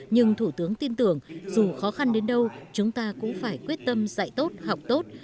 nhưng thủ tướng tin tưởng dù khó khăn đến đâu chúng ta cũng phải quyết tâm dạy tốt học tốt